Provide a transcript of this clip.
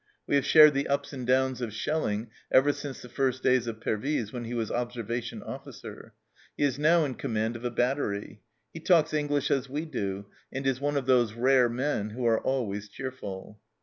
We have shared the ups and downs of shelling ever since the first days of Pervyse, when he was ob servation officer. He is now in command of a battery. He talks English as we do, and is one of those rare men who are always cheerful."